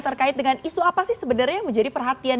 terkait dengan isu apa sih sebenarnya yang menjadi perhatian